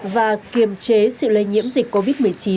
và kiềm chế sự lây nhiễm dịch covid một mươi chín